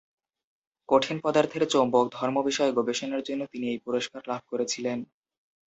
কঠিন পদার্থের চৌম্বক ধর্ম বিষয়ে গবেষণার জন্য তিনি এই পুরস্কার লাভ করেছিলেন।